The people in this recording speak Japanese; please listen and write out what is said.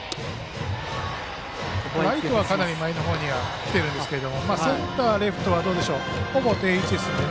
ライトはかなり前の方に来ているんですけどセンター、レフトはほぼ定位置。